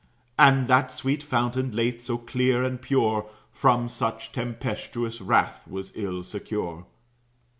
And that sweet fountain, late so clear and pure, From such tempestous wrath was ill secure.